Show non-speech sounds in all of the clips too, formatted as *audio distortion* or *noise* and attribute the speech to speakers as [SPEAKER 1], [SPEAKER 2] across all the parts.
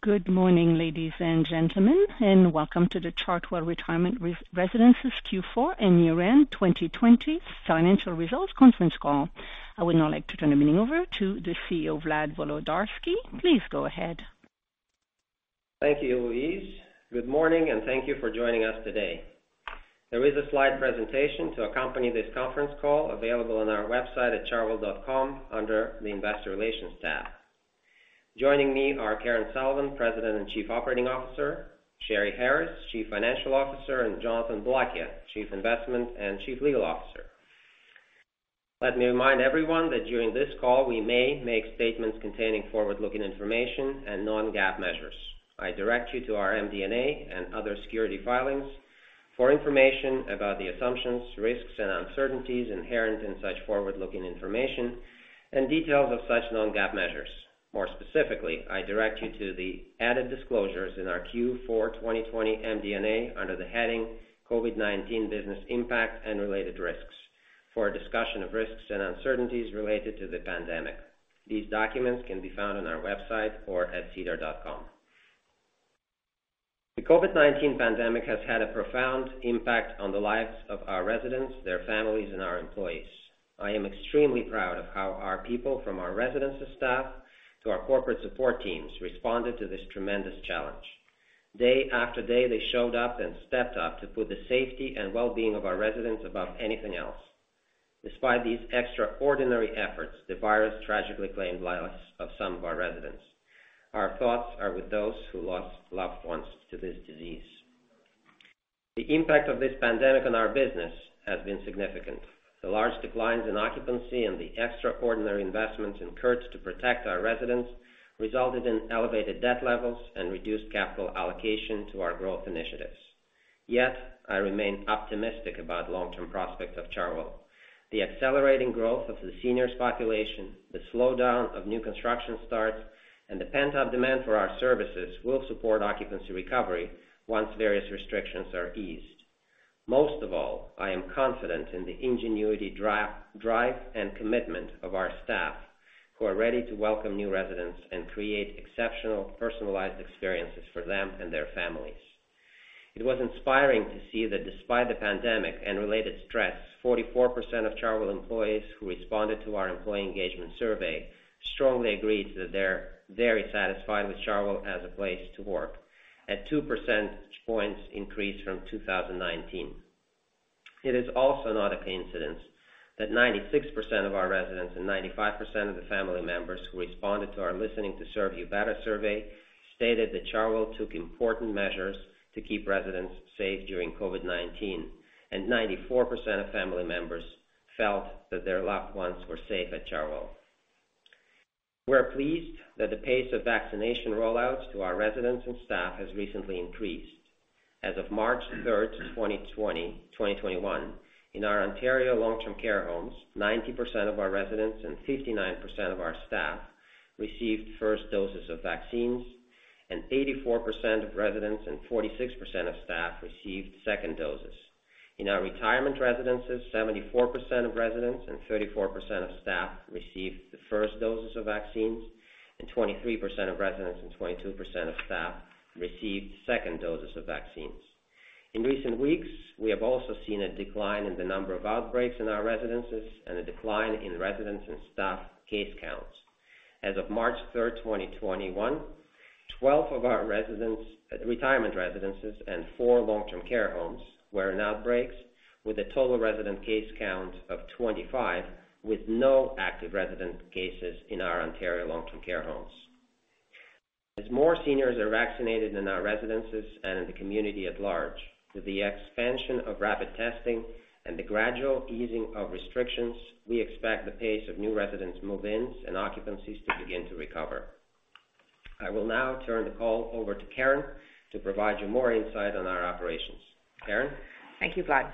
[SPEAKER 1] Good morning, ladies and gentlemen, and welcome to the Chartwell Retirement Residences Q4 and year-end 2020 financial results conference call. I would now like to turn the meeting over to the CEO, Vlad Volodarski. Please go ahead.
[SPEAKER 2] Thank you, Louise. Good morning, and thank you for joining us today. There is a slide presentation to accompany this conference call available on our website at chartwell.com under the investor relations tab. Joining me are Karen Sullivan, President and Chief Operating Officer, Sheri Harris, Chief Financial Officer, and Jonathan Boulakia, Chief Investment and Chief Legal Officer. Let me remind everyone that during this call, we may make statements containing forward-looking information and non-GAAP measures. I direct you to our MD&A and other security filings for information about the assumptions, risks, and uncertainties inherent in such forward-looking information and details of such non-GAAP measures. More specifically, I direct you to the added disclosures in our Q4 2020 MD&A under the heading COVID-19 Business Impact and Related Risks for a discussion of risks and uncertainties related to the pandemic. These documents can be found on our website or at sedar.com. The COVID-19 pandemic has had a profound impact on the lives of our residents, their families, and our employees. I am extremely proud of how our people, from our residences staff to our corporate support teams, responded to this tremendous challenge. Day after day, they showed up and stepped up to put the safety and wellbeing of our residents above anything else. Despite these extraordinary efforts, the virus tragically claimed the lives of some of our residents. Our thoughts are with those who lost loved ones to this disease. The impact of this pandemic on our business has been significant. The large declines in occupancy and the extraordinary investments incurred to protect our residents resulted in elevated debt levels and reduced capital allocation to our growth initiatives. Yet, I remain optimistic about the long-term prospect of Chartwell. The accelerating growth of the seniors population, the slowdown of new construction starts, and the pent-up demand for our services will support occupancy recovery once various restrictions are eased. Most of all, I am confident in the ingenuity, drive, and commitment of our staff, who are ready to welcome new residents and create exceptional personalized experiences for them and their families. It was inspiring to see that despite the pandemic and related stress, 44% of Chartwell employees who responded to our employee engagement survey strongly agreed that they're very satisfied with Chartwell as a place to work, a 2 percentage points increase from 2019. It is also not a coincidence that 96% of our residents and 95% of the family members who responded to our Listening to Serve You Better survey stated that Chartwell took important measures to keep residents safe during COVID-19, and 94% of family members felt that their loved ones were safe at Chartwell. We're pleased that the pace of vaccination rollouts to our residents and staff has recently increased. As of March 3rd, 2021, in our Ontario long-term care homes, 90% of our residents and 59% of our staff received first doses of vaccines, and 84% of residents and 46% of staff received second doses. In our retirement residences, 74% of residents and 34% of staff received the first doses of vaccines, and 23% of residents and 22% of staff received second doses of vaccines. In recent weeks, we have also seen a decline in the number of outbreaks in our residences and a decline in residents' and staff case counts. As of March 3rd, 2021, 12 of our retirement residences and four long-term care homes were in outbreaks with a total resident case count of 25, with no active resident cases in our Ontario long-term care homes. As more seniors are vaccinated in our residences and in the community at large, with the expansion of rapid testing and the gradual easing of restrictions, we expect the pace of new residents move-ins and occupancies to begin to recover. I will now turn the call over to Karen to provide you more insight on our operations. Karen?
[SPEAKER 3] Thank you, Vlad.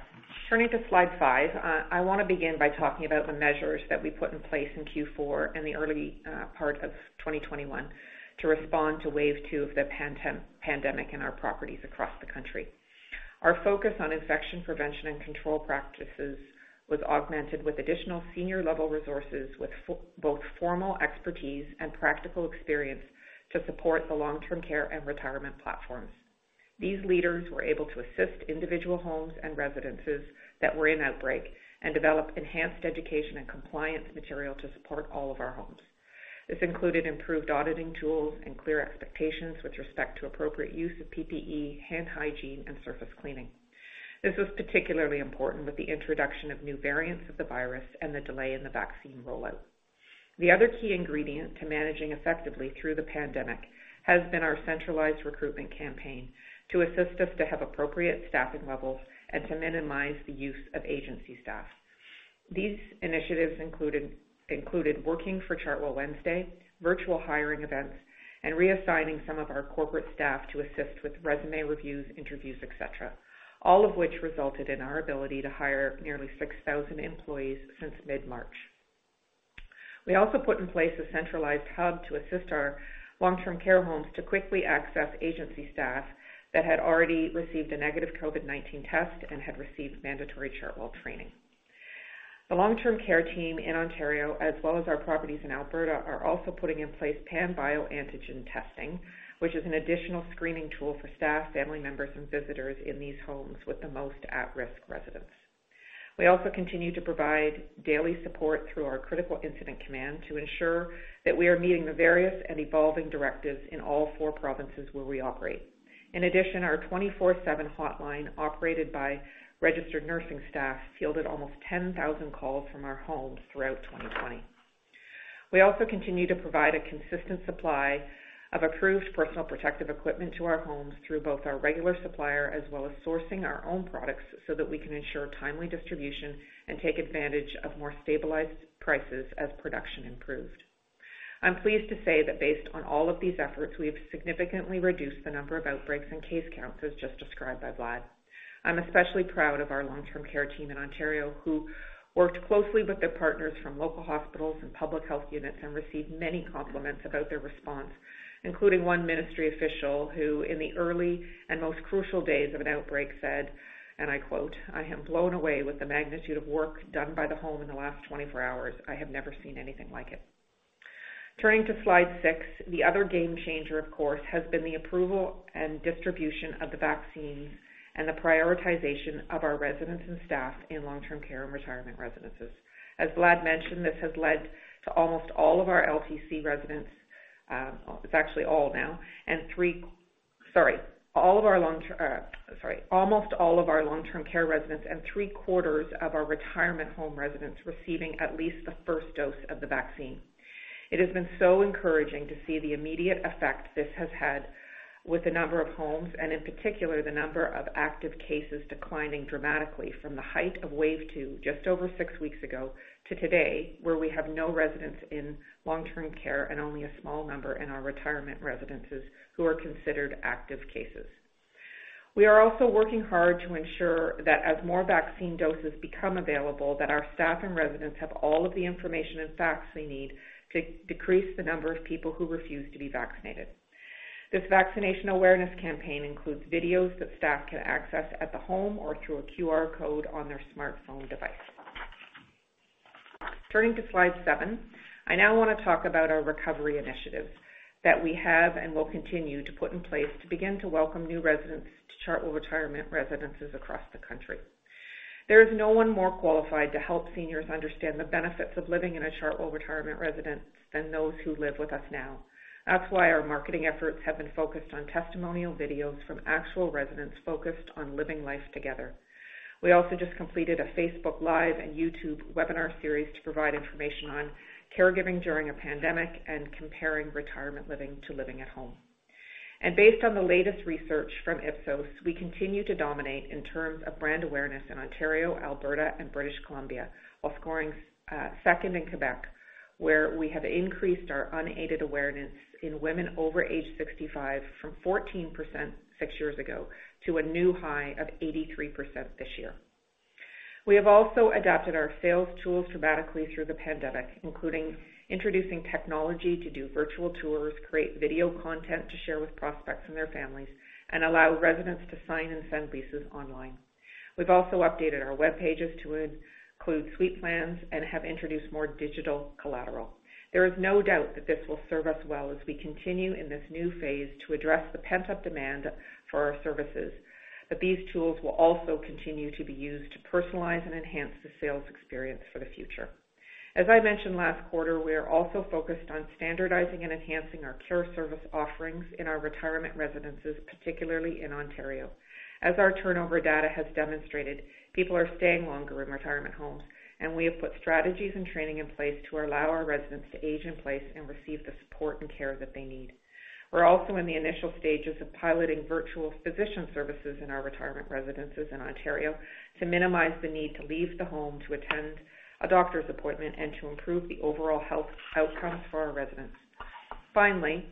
[SPEAKER 3] Turning to slide five, I want to begin by talking about the measures that we put in place in Q4 and the early part of 2021 to respond to wave two of the pandemic in our properties across the country. Our focus on infection prevention and control practices was augmented with additional senior-level resources with both formal expertise and practical experience to support the long-term care and retirement platforms. These leaders were able to assist individual homes and residences that were in outbreak and develop enhanced education and compliance material to support all of our homes. This included improved auditing tools and clear expectations with respect to appropriate use of PPE, hand hygiene, and surface cleaning. This was particularly important with the introduction of new variants of the virus and the delay in the vaccine rollout. The other key ingredient to managing effectively through the pandemic has been our centralized recruitment campaign to assist us to have appropriate staffing levels and to minimize the use of agency staff. These initiatives included Working for Chartwell Wednesday, virtual hiring events, and reassigning some of our corporate staff to assist with resume reviews, interviews, et cetera, all of which resulted in our ability to hire nearly 6,000 employees since mid-March. We also put in place a centralized hub to assist our long-term care homes to quickly access agency staff that had already received a negative COVID-19 test and had received mandatory Chartwell training. The long-term care team in Ontario, as well as our properties in Alberta, are also putting in place Panbio antigen testing, which is an additional screening tool for staff, family members, and visitors in these homes with the most at-risk residents. We also continue to provide daily support through our critical incident command to ensure that we are meeting the various and evolving directives in all four provinces where we operate. In addition, our 24/7 hotline, operated by registered nursing staff, fielded almost 10,000 calls from our homes throughout 2020. We also continue to provide a consistent supply of approved personal protective equipment to our homes through both our regular supplier as well as sourcing our own products so that we can ensure timely distribution and take advantage of more stabilized prices as production improved. I'm pleased to say that based on all of these efforts, we have significantly reduced the number of outbreaks and case counts as just described by Vlad. I'm especially proud of our long-term care team in Ontario, who worked closely with their partners from local hospitals and public health units and received many compliments about their response, including one ministry official, who in the early and most crucial days of an outbreak said, and I quote, "I am blown away with the magnitude of work done by the home in the last 24 hours. I have never seen anything like it." Turning to slide six, the other game changer, of course, has been the approval and distribution of the vaccines and the prioritization of our residents and staff in long-term care and retirement residences. As Vlad mentioned, this has led to almost all of our LTC residents; it's actually all now, all of our long-term. Almost all of our long-term care residents and three-quarters of our retirement home residents receiving at least the first dose of the vaccine. It has been so encouraging to see the immediate effect this has had with the number of homes, and in particular, the number of active cases declining dramatically from the height of wave two just over six weeks ago to today, where we have no residents in long-term care and only a small number in our retirement residences who are considered active cases. We are also working hard to ensure that as more vaccine doses become available, that our staff and residents have all of the information and facts they need to decrease the number of people who refuse to be vaccinated. This Vaccination Awareness Campaign includes videos that staff can access at the home or through a QR code on their smartphone device. Turning to slide seven, I now want to talk about our recovery initiatives that we have and will continue to put in place to begin to welcome new residents to Chartwell Retirement Residences across the country. There is no one more qualified to help seniors understand the benefits of living in a Chartwell Retirement Residence than those who live with us now. That's why our marketing efforts have been focused on testimonial videos from actual residents focused on living life together. We also just completed a Facebook Live and YouTube webinar series to provide information on caregiving during a pandemic and comparing retirement living to living at home. Based on the latest research from Ipsos, we continue to dominate in terms of brand awareness in Ontario, Alberta, and British Columbia, while scoring second in Quebec, where we have increased our unaided awareness in women over age 65 from 14% six years ago to a new high of 83% this year. We have also adapted our sales tools dramatically through the pandemic, including introducing technology to do virtual tours, create video content to share with prospects and their families, and allow residents to sign and send leases online. We've also updated our web pages to include suite plans and have introduced more digital collateral. There is no doubt that this will serve us well as we continue in this new phase to address the pent-up demand for our services, that these tools will also continue to be used to personalize and enhance the sales experience for the future. As I mentioned last quarter, we are also focused on standardizing and enhancing our care service offerings in our retirement residences, particularly in Ontario. As our turnover data has demonstrated, people are staying longer in retirement homes, and we have put strategies and training in place to allow our residents to age in place and receive the support and care that they need. We're also in the initial stages of piloting virtual physician services in our retirement residences in Ontario to minimize the need to leave the home to attend a doctor's appointment and to improve the overall health outcomes for our residents. Finally,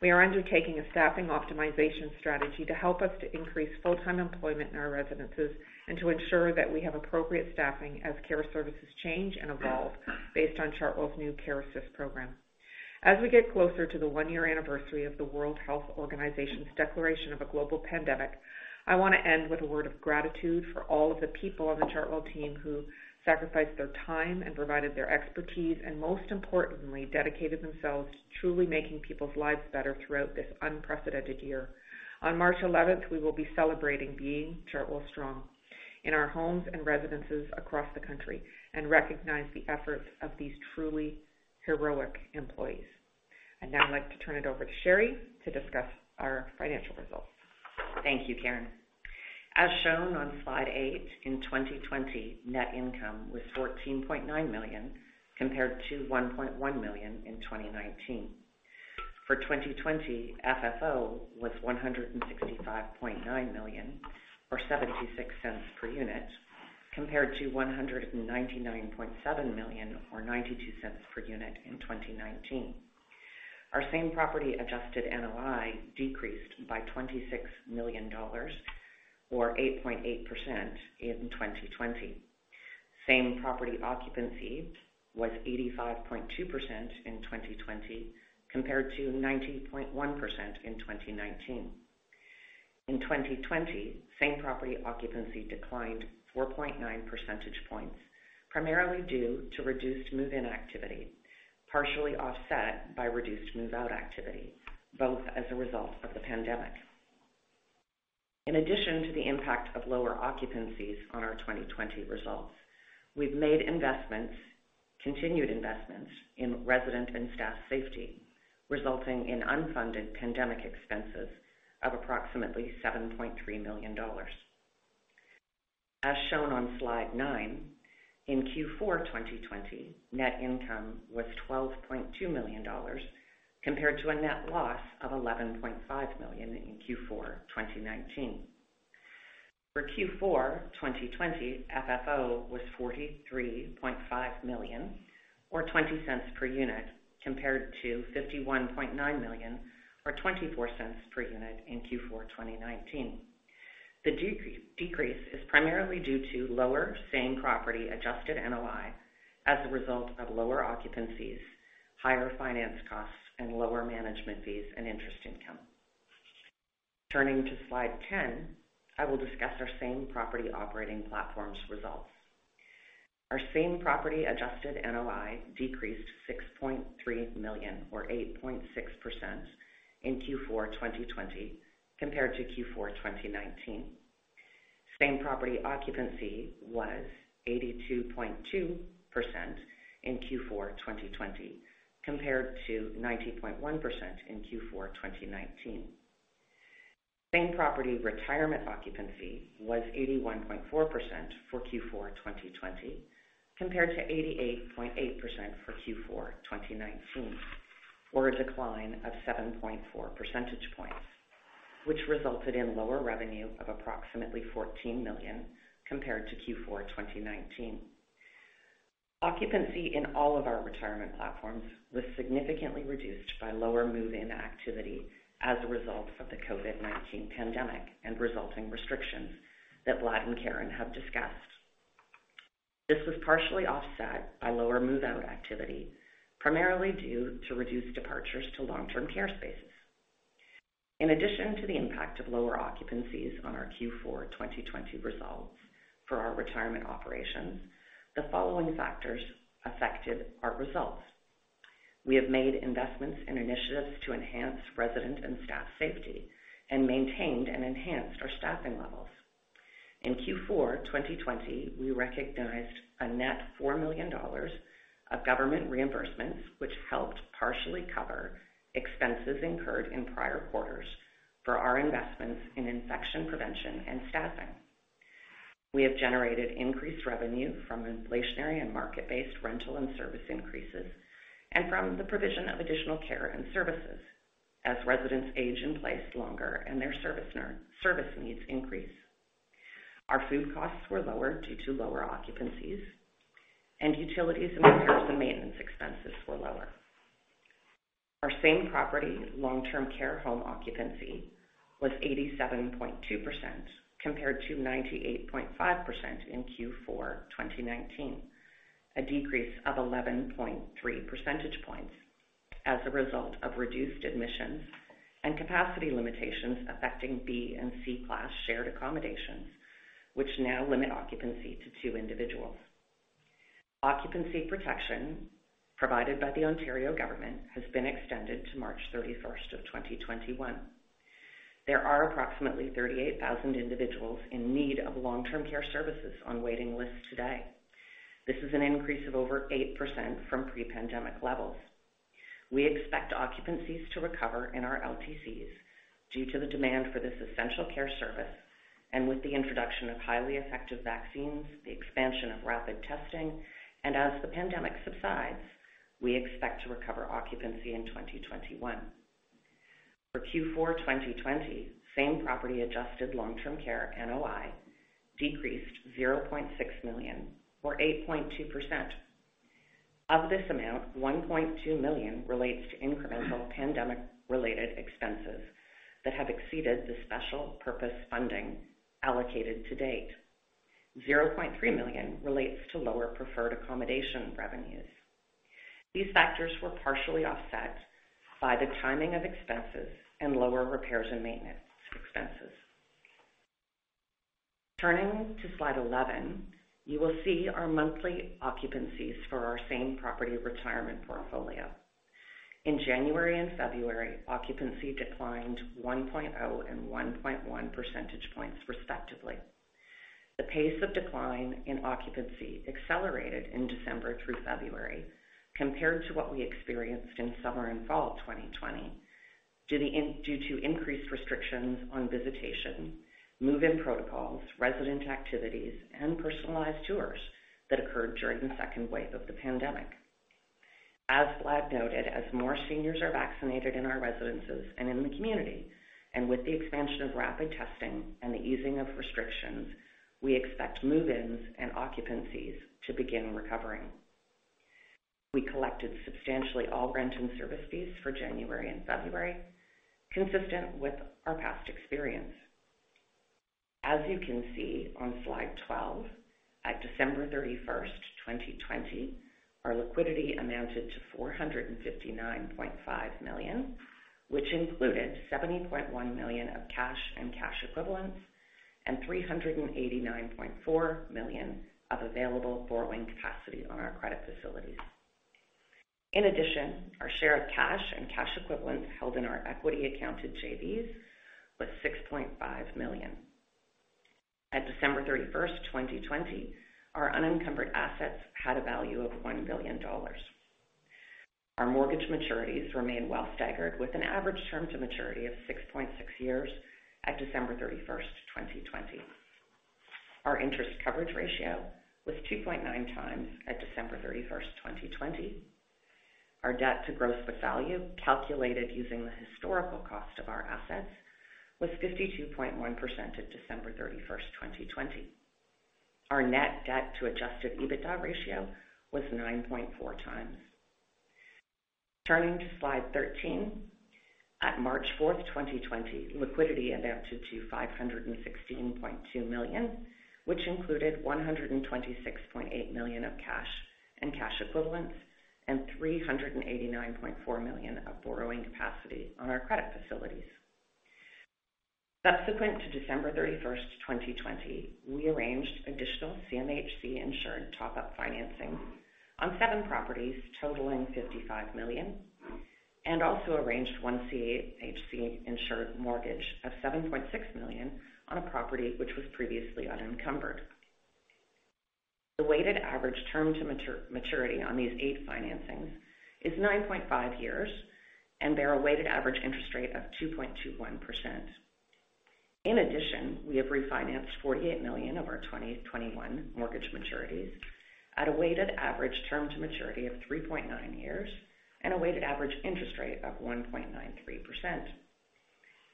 [SPEAKER 3] we are undertaking a staffing optimization strategy to help us to increase full-time employment in our residences and to ensure that we have appropriate staffing as care services change and evolve based on Chartwell's new Care Assist Program. As we get closer to the one-year anniversary of the World Health Organization's declaration of a global pandemic, I want to end with a word of gratitude for all of the people on the Chartwell team who sacrificed their time and provided their expertise, and most importantly, dedicated themselves to truly making people's lives better throughout this unprecedented year. On March 11th, we will be celebrating being Chartwell Strong in our homes and residences across the country and recognize the efforts of these truly heroic employees. I'd now like to turn it over to Sheri to discuss our financial results.
[SPEAKER 4] Thank you, Karen. As shown on slide eight, in 2020, net income was CAD 14.9 million, compared to CAD 1.1 million in 2019. For 2020, FFO was CAD 165.9 million or 0.76 per unit, compared to CAD 199.7 million or 0.92 per unit in 2019. Our same property adjusted NOI decreased by 26 million dollars, or 8.8%, in 2020. Same property occupancy was 85.2% in 2020, compared to 90.1% in 2019. In 2020, same property occupancy declined 4.9 percentage points, primarily due to reduced move-in activity, partially offset by reduced move-out activity, both as a result of the pandemic. In addition to the impact of lower occupancies on our 2020 results, we've made continued investments in resident and staff safety, resulting in unfunded pandemic expenses of approximately 7.3 million dollars. As shown on slide nine, in Q4 2020, net income was 12.2 million dollars, compared to a net loss of 11.5 million in Q4 2019. For Q4 2020, FFO was 43.5 million or 0.20 per unit, compared to 51.9 million or 0.24 per unit in Q4 2019. The decrease is primarily due to lower same-property adjusted NOI as a result of lower occupancies, higher finance costs, and lower management fees and interest income. Turning to slide 10, I will discuss our same-property operating platforms results. Our same-property adjusted NOI decreased 6.3 million or 8.6% in Q4 2020 compared to Q4 2019. Same-property occupancy was 82.2% in Q4 2020 compared to 90.1% in Q4 2019. Same-property retirement occupancy was 81.4% for Q4 2020 compared to 88.8% for Q4 2019, or a decline of 7.4 percentage points, which resulted in lower revenue of approximately 14 million compared to Q4 2019. Occupancy in all of our retirement platforms was significantly reduced by lower move-in activity as a result of the COVID-19 pandemic and resulting restrictions that Vlad and Karen have discussed. This was partially offset by lower move-out activity, primarily due to reduced departures to long-term care spaces. In addition to the impact of lower occupancies on our Q4 2020 results for our retirement operations, the following factors affected our results. We have made investments in initiatives to enhance resident and staff safety and maintained and enhanced our staffing levels. In Q4 2020, we recognized a net 4 million dollars of government reimbursements, which helped partially cover expenses incurred in prior quarters for our investments in infection prevention and staffing. We have generated increased revenue from inflationary and market-based rental and service increases and from the provision of additional care and services as residents age in place longer and their service needs increase. Our food costs were lower due to lower occupancies, and utilities and repairs and maintenance expenses were lower. Our same-property long-term care home occupancy was 87.2% compared to 98.5% in Q4 2019, a decrease of 11.3 percentage points as a result of reduced admissions and capacity limitations affecting B and C class shared accommodations, which now limit occupancy to two individuals. Occupancy protection provided by the Ontario government has been extended to March 31st of 2021. There are approximately 38,000 individuals in need of long-term care services on waiting lists today. This is an increase of over 8% from pre-pandemic levels. We expect occupancies to recover in our LTCs due to the demand for this essential care service and with the introduction of highly effective vaccines, the expansion of rapid testing, and as the pandemic subsides, we expect to recover occupancy in 2021. For Q4 2020, same-property adjusted long-term care NOI decreased 0.6 million or 8.2%. Of this amount, 1.2 million relates to incremental pandemic-related expenses that have exceeded the special-purpose funding allocated to date. 0.3 million relates to lower preferred accommodation revenues. These factors were partially offset by the timing of expenses and lower repairs and maintenance expenses. Turning to slide 11, you will see our monthly occupancies for our same-property retirement portfolio. In January and February, occupancy declined 1.0 and 1.1 percentage points, respectively. The pace of decline in occupancy accelerated in December through February compared to what we experienced in summer and fall 2020 due to increased restrictions on visitation, move-in protocols, resident activities, and personalized tours that occurred during the second wave of the pandemic. As Vlad noted, as more seniors are vaccinated in our residences and in the community, and with the expansion of rapid testing and the easing of restrictions, we expect move-ins and occupancies to begin recovering. We collected substantially all rent and service fees for January and February, consistent with our past experience. As you can see on slide 12, at December 31st, 2020, our liquidity amounted to 459.5 million, which included 70.1 million of cash and cash equivalents, and 389.4 million of available borrowing capacity on our credit facilities. In addition, our share of cash and cash equivalents held in our equity-accounted JVs was 6.5 million. At December 31st, 2020, our unencumbered assets had a value of 1 billion dollars. Our mortgage maturities remained well staggered, with an average term to maturity of 6.6 years at December 31st, 2020. Our interest coverage ratio was 2.9x at December 31st, 2020. Our debt to gross book value, calculated using the historical cost of our assets, was 52.1% at December 31st, 2020. Our net debt to adjusted EBITDA ratio was 9.4x. Turning to slide 13, at March 4th, 2020, liquidity amounted to 516.2 million, which included 126.8 million of cash and cash equivalents, and 389.4 million of borrowing capacity on our credit facilities. Subsequent to December 31st, 2020, we arranged additional CMHC-insured top-up financing on seven properties totaling 55 million, and also arranged one CMHC-insured mortgage of 7.6 million on a property which was previously unencumbered. The weighted average term to maturity on these eight financings is 9.5 years, and they're a weighted average interest rate of 2.21%. In addition, we have refinanced 48 million of our 2021 mortgage maturities at a weighted average term to maturity of 3.9 years and a weighted average interest rate of 1.93%.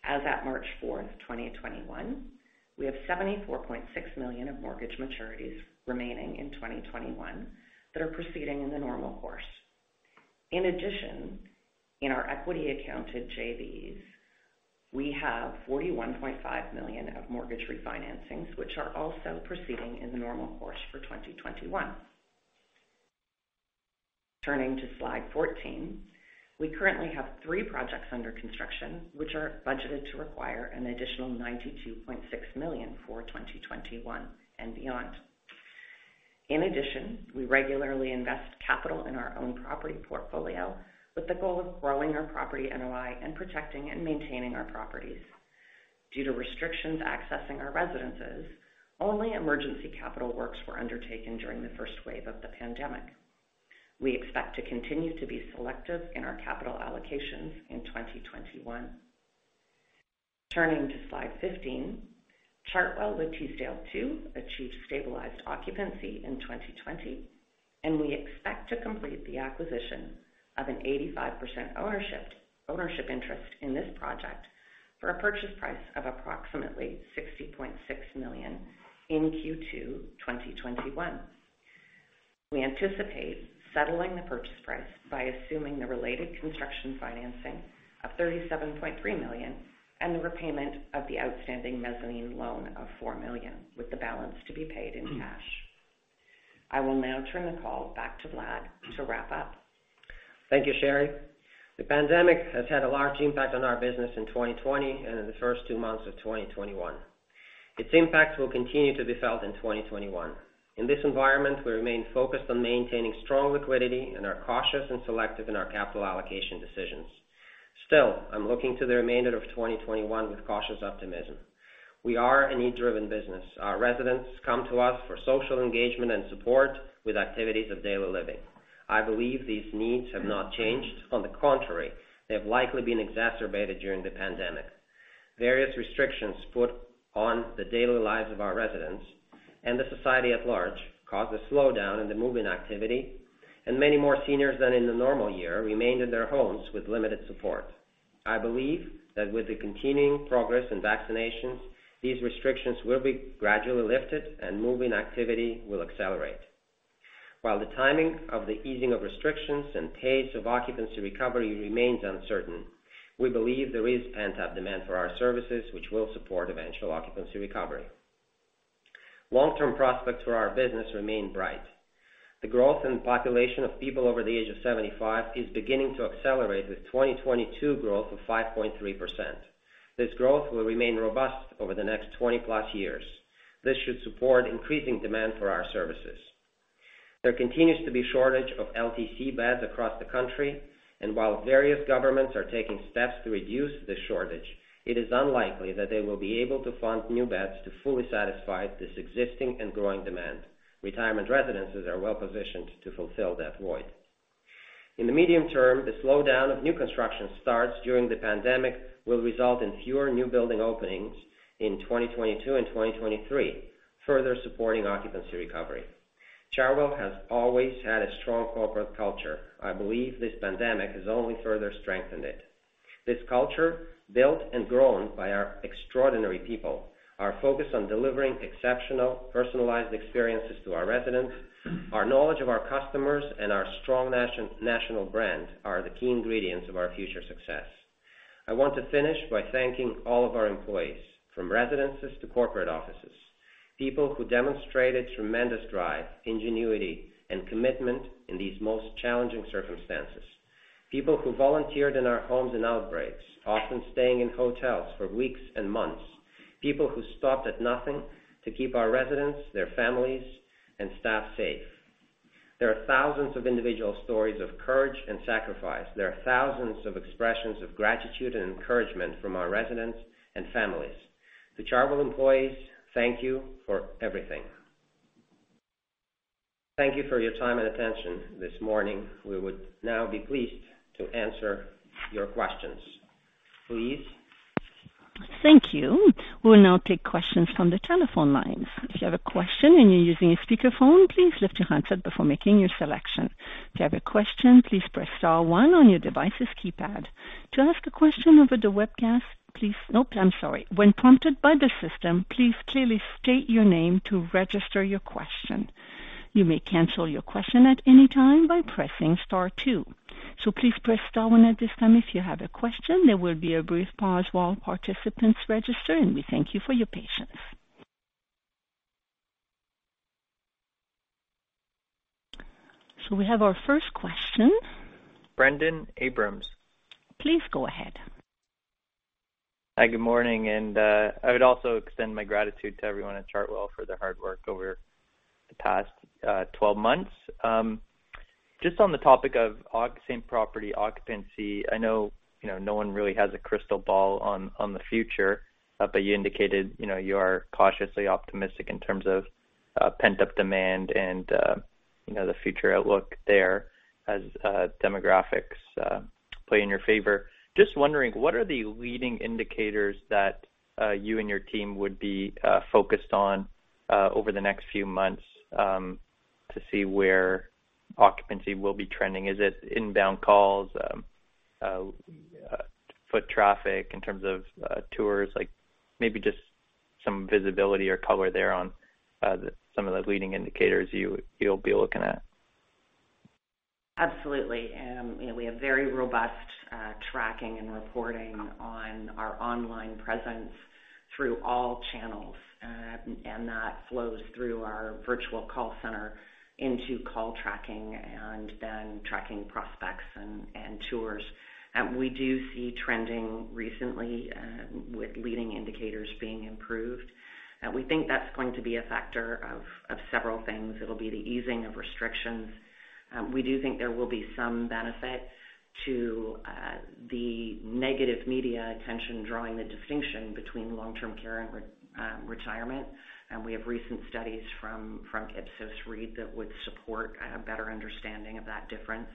[SPEAKER 4] As at March 4th, 2021, we have 74.6 million of mortgage maturities remaining in 2021 that are proceeding in the normal course. In addition, in our equity-accounted JVs, we have 41.5 million of mortgage refinancings, which are also proceeding in the normal course for 2021. Turning to slide 14, we currently have three projects under construction, which are budgeted to require an additional 92.6 million for 2021 and beyond. In addition, we regularly invest capital in our own property portfolio with the goal of growing our property NOI and protecting and maintaining our properties. Due to restrictions accessing our residences, only emergency capital works were undertaken during the first wave of the pandemic. We expect to continue to be selective in our capital allocations in 2021. Turning to slide 15, Chartwell Le Teasdale II achieved stabilized occupancy in 2020, and we expect to complete the acquisition of an 85% ownership interest in this project for a purchase price of approximately 60.6 million in Q2 2021. We anticipate settling the purchase price by assuming the related construction financing of 37.3 million and the repayment of the outstanding mezzanine loan of 4 million, with the balance to be paid in cash. I will now turn the call back to Vlad to wrap up.
[SPEAKER 2] Thank you, Sheri. The pandemic has had a large impact on our business in 2020 and in the first two months of 2021. Its impacts will continue to be felt in 2021. In this environment, we remain focused on maintaining strong liquidity and are cautious and selective in our capital allocation decisions. Still, I'm looking to the remainder of 2021 with cautious optimism. We are a need-driven business. Our residents come to us for social engagement and support with activities of daily living. I believe these needs have not changed. On the contrary, they've likely been exacerbated during the pandemic. Various restrictions put on the daily lives of our residents and the society at large caused a slowdown in the move-in activity, and many more seniors than in the normal year remained in their homes with limited support. I believe that with the continuing progress in vaccinations, these restrictions will be gradually lifted and move-in activity will accelerate. While the timing of the easing of restrictions and pace of occupancy recovery remains uncertain, we believe there is pent-up demand for our services, which will support eventual occupancy recovery. Long-term prospects for our business remain bright. The growth in population of people over the age of 75 is beginning to accelerate, with 2022 growth of 5.3%. This growth will remain robust over the next 20+ years. This should support increasing demand for our services. There continues to be shortage of LTC beds across the country, and while various governments are taking steps to reduce this shortage, it is unlikely that they will be able to fund new beds to fully satisfy this existing and growing demand. Retirement residences are well positioned to fulfill that void. In the medium term, the slowdown of new construction starts during the pandemic will result in fewer new building openings in 2022 and 2023, further supporting occupancy recovery. Chartwell has always had a strong corporate culture. I believe this pandemic has only further strengthened it. This culture, built and grown by our extraordinary people, our focus on delivering exceptional personalized experiences to our residents, our knowledge of our customers, and our strong national brand are the key ingredients of our future success. I want to finish by thanking all of our employees, from residences to corporate offices. People who demonstrated tremendous drive, ingenuity, and commitment in these most challenging circumstances. People who volunteered in our homes and outbreaks often staying in hotels for weeks and months. People who stopped at nothing to keep our residents, their families, and staff safe. There are thousands of individual stories of courage and sacrifice. There are thousands of expressions of gratitude and encouragement from our residents and families. To Chartwell employees, thank you for everything. Thank you for your time and attention this morning. We would now be pleased to answer your questions. Please.
[SPEAKER 1] Thank you. We'll now take questions from the telephone lines. If you have a question and you're using a speakerphone, please lift your handset before making your selection. If you have a question, please press star one on your device's keypad. To ask a question over the webcast, please. Nope, I'm sorry. When prompted by the system, please clearly state your name to register your question. You may cancel your question at any time by pressing star two. Please press star one at this time if you have a question. There will be a brief pause while participants register, and we thank you for your patience. We have our first question.
[SPEAKER 5] Brendon Abrams.
[SPEAKER 1] Please go ahead.
[SPEAKER 5] Hi, good morning. I would also extend my gratitude to everyone at Chartwell for their hard work over the past 12 months. Just on the topic of same-property occupancy, I know no one really has a crystal ball on the future, but you indicated you are cautiously optimistic in terms of pent-up demand and the future outlook there as demographics play in your favor. Just wondering, what are the leading indicators that you and your team would be focused on over the next few months to see where occupancy will be trending? Is it inbound calls, foot traffic in terms of tours? Maybe just some visibility or color there on some of the leading indicators you'll be looking at.
[SPEAKER 4] Absolutely. We have very robust tracking and reporting on our online presence through all channels. That flows through our virtual call center into call tracking, and then tracking prospects and tours. We do see trending recently with leading indicators being improved. We think that's going to be a factor of several things. It'll be the easing of restrictions. We do think there will be some benefit to the negative media attention, drawing the distinction between long-term care and retirement. We have recent studies from Ipsos-Reid that would support a better understanding of that difference.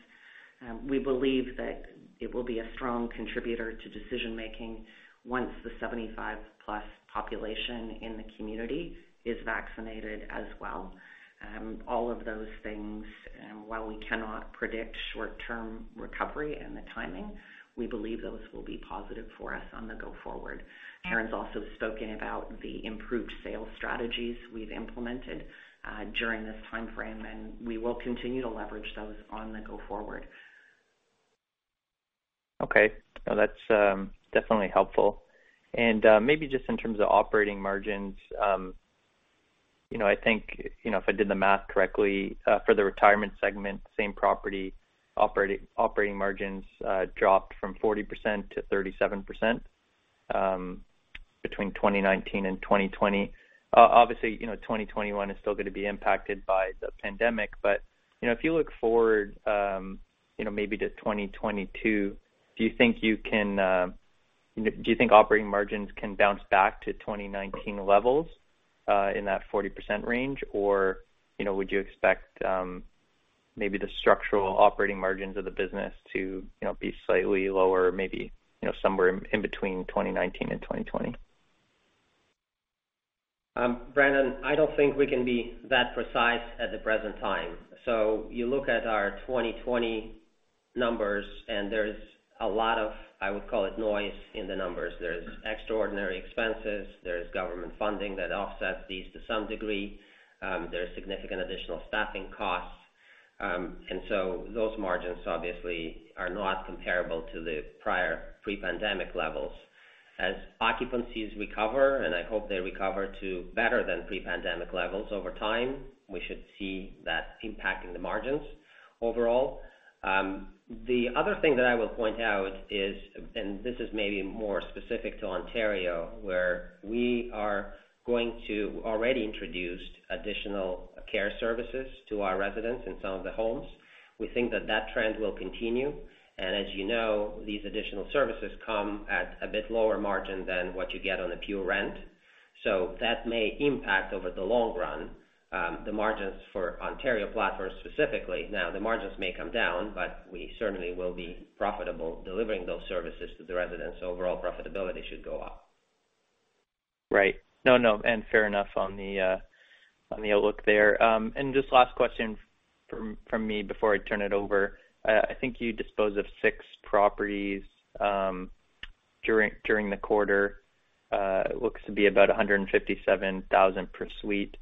[SPEAKER 4] We believe that it will be a strong contributor to decision-making once the 75+ population in the community is vaccinated as well. All of those things, while we cannot predict short-term recovery and the timing, we believe those will be positive for us on the go forward. Karen's also spoken about the improved sales strategies we've implemented during this timeframe. We will continue to leverage those on the go forward.
[SPEAKER 5] Okay. No, that's definitely helpful. Maybe just in terms of operating margins, I think, if I did the math correctly, for the retirement segment, same property operating margins dropped from 40% to 37% between 2019 and 2020. Obviously, 2021 is still going to be impacted by the pandemic, but if you look forward maybe to 2022, do you think operating margins can bounce back to 2019 levels, in that 40% range? Would you expect maybe the structural operating margins of the business to be slightly lower, maybe somewhere in between 2019 and 2020?
[SPEAKER 2] Brendon, I don't think we can be that precise at the present time. You look at our 2020 numbers, and there's a lot of, I would call it noise in the numbers. There's extraordinary expenses. There's government funding that offsets these to some degree. There's significant additional staffing costs. Those margins obviously are not comparable to the prior pre-pandemic levels. As occupancies recover, and I hope they recover to better than pre-pandemic levels over time, we should see that impacting the margins overall. The other thing that I will point out is, and this is maybe more specific to Ontario, where we are going to already introduce additional care services to our residents in some of the homes. We think that trend will continue, and as you know, these additional services come at a bit lower margin than what you get on a pure rent. That may impact over the long run, the margins for Ontario platforms specifically. The margins may come down, but we certainly will be profitable delivering those services to the residents. Overall profitability should go up.
[SPEAKER 5] Right. No, fair enough on the outlook there. Just last question from me before I turn it over. I think you disposed of six properties during the quarter. It looks to be about 157,000 per suite.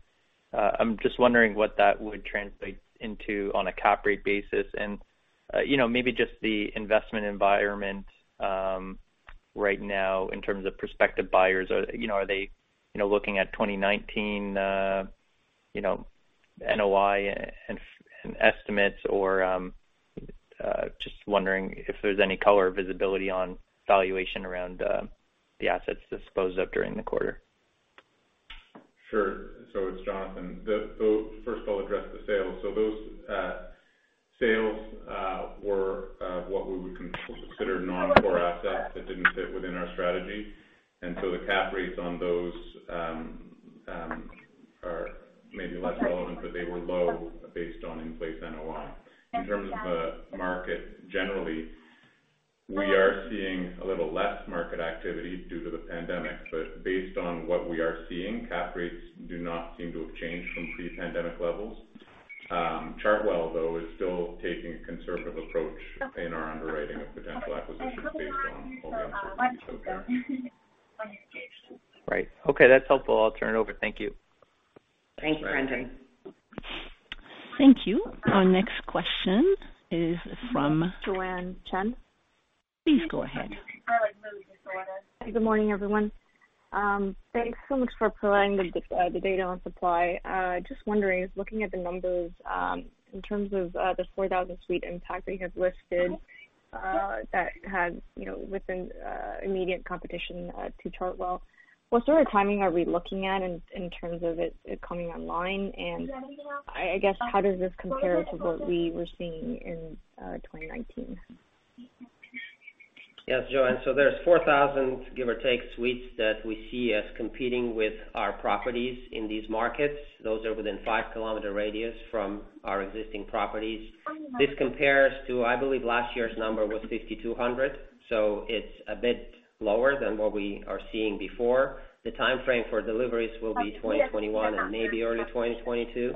[SPEAKER 5] I'm just wondering what that would translate into on a cap rate basis, and maybe just the investment environment right now in terms of prospective buyers. Are they looking at 2019 NOI and estimates, or just wondering if there's any color or visibility on valuation around the assets disposed of during the quarter?
[SPEAKER 6] Sure. It's Jonathan. First, I'll address the sales. Those sales were what we would consider non-core assets that didn't fit within our strategy. The cap rates on those are maybe less relevant, but they were low based on in-place NOI. In terms of the market generally, we are seeing a little less market activity due to the pandemic. Based on what we are seeing, cap rates do not seem to have changed from pre-pandemic levels. Chartwell, though, is still taking a conservative approach in our underwriting of potential acquisitions based on all the uncertainty still there.
[SPEAKER 5] Right. Okay, that's helpful. I'll turn it over. Thank you.
[SPEAKER 4] Thank you, Brendon.
[SPEAKER 1] Thank you. Our next question is from-
[SPEAKER 7] Joanne Chen
[SPEAKER 1] Please go ahead.
[SPEAKER 7] Good morning, everyone. Thanks so much for providing the data on supply. Just wondering, looking at the numbers in terms of the 4,000 suite impact that you have listed that has within immediate competition to Chartwell. What sort of timing are we looking at in terms of it coming online? I guess how does this compare to what we were seeing in 2019?
[SPEAKER 2] Joanne, there's 4,000, give or take, suites that we see as competing with our properties in these markets. Those are within 5 km radius from our existing properties. This compares to, I believe last year's number was 5,200, it's a bit lower than what we are seeing before. The timeframe for deliveries will be 2021 and maybe early 2022.